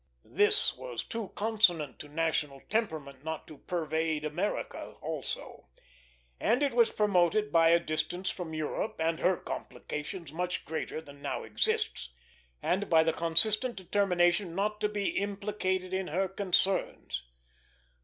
This was too consonant to national temperament not to pervade America also; and it was promoted by a distance from Europe and her complications much greater than now exists, and by the consistent determination not to be implicated in her concerns.